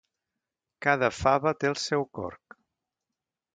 Cada fava té el seu corc.